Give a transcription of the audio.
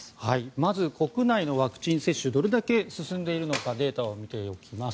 まず国内のワクチン接種どれだけ進んでいるのかデータを見ておきます。